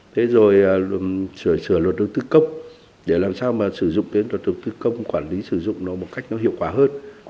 thế rồi sửa luật lực tư công để làm sao sử dụng luật lực tư công quản lý sử dụng nó một cách hiệu quả hơn